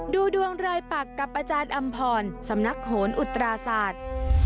ดูดวงรายปักกับอาจารย์อำพรสำนักโหนอุตราศาสตร์